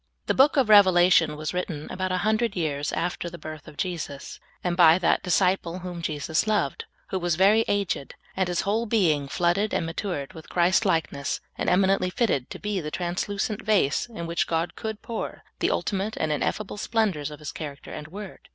The book of Revelation was written about a hundred years after the birth of Jesus, and by that Disciple whom Jesus loved, who was very aged, and his whole being flooded and matured with Christ likeness, and eminently fitted to be the translucent vase in which God could pour the ultimate and ineffable splendors of His character and word.